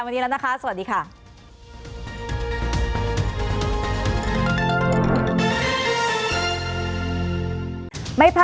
ยินดีครับสวัสดีครับ